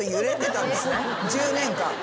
１０年間。